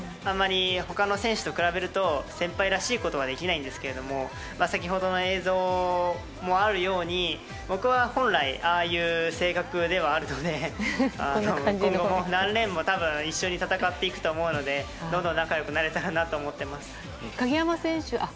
あまり他の選手と比べると先輩らしいことができないんですけれども先ほどの映像にもあるように僕は本来ああいう性格ではあるので今後も何年も一緒に戦っていくと思うのでどんどん仲良くなれたらと思っています。